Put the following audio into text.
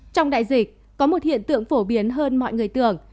trong đại dịch có một hiện tượng phổ biến hơn mọi người tưởng